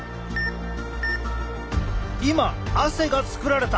今汗が作られた！